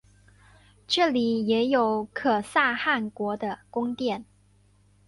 这里也有可萨汗国的宫殿。